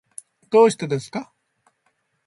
どうしてですか？